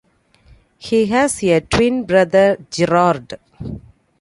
He has a twin brother Gerard.